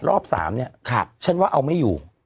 รอบ๓เนี่ยฉันว่าเอาไม่อยู่